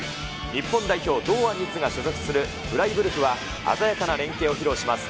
日本代表、堂安律が所属するフライブルクは鮮やかな連係を披露します。